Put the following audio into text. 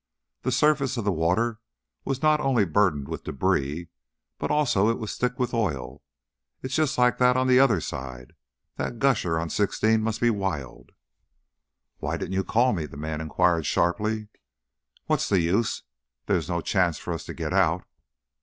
The surface of the water was not only burdened with debris, but also it was thick with oil. "It's just like that on the other side. That gusher on sixteen must be wild." "Why didn't you call me?" the man inquired, sharply. "What was the use? There's no chance for us to get out."